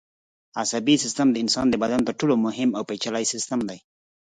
عصبي سیستم د انسان د بدن تر ټولو مهم او پېچلی سیستم دی.